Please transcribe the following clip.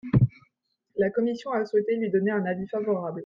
La commission a souhaité lui donner un avis favorable.